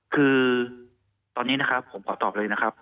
คือตอนนี้นะครับผมขอตอบเลยนะครับ